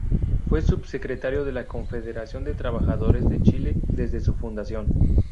Fue subsecretario de la Confederación de Trabajadores de Chile desde su fundación.